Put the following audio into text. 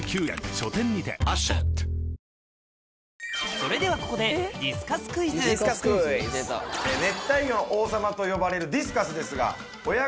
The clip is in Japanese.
それではここで熱帯魚の王様と呼ばれるディスカスですが。